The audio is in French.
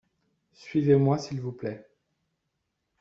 Suivez-moi s’il vous plait.